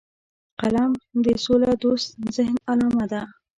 قلم د سولهدوست ذهن علامه ده